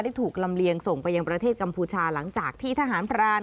ถูกลำเลียงส่งไปยังประเทศกัมพูชาหลังจากที่ทหารพราน